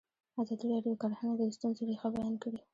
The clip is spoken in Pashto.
ازادي راډیو د کرهنه د ستونزو رېښه بیان کړې.